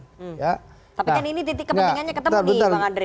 tapi kan ini titik kepentingannya ketemu nih bang andre